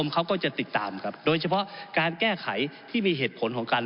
ผมอภิปรายเรื่องการขยายสมภาษณ์รถไฟฟ้าสายสีเขียวนะครับ